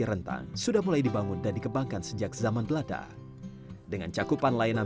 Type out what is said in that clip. untuk membuat jaringan lokasi yang adaptif